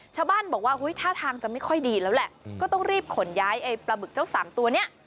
ชาวบ้านบอกว่าท่าทางจะไม่ค่อยดีแล้วแหละก็ต้องรีบขนย้ายไอ้ปลาบึกเจ้าสามตัวเนี้ย